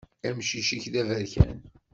Amcic-ik d aberkan.